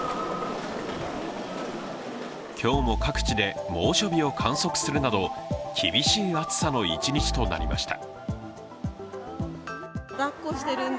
今日も各地で猛暑日を観測するなど厳しい暑さの一日となりました。